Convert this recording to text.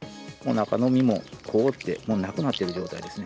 中の実も凍って、もうなくなってる状態ですね。